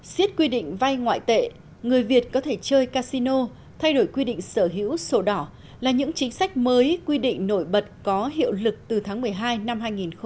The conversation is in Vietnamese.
xiết quy định vay ngoại tệ người việt có thể chơi casino thay đổi quy định sở hữu sổ đỏ là những chính sách mới quy định nổi bật có hiệu lực từ tháng một mươi hai năm hai nghìn một mươi chín